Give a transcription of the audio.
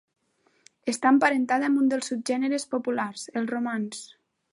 Està emparentada amb un dels subgèneres populars: el romanç.